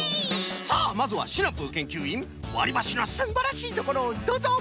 さあまずはシナプーけんきゅういんわりばしのすんばらしいところをどうぞ！